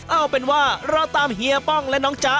เอาเป็นว่าเราตามเฮียป้องและน้องจ๊ะ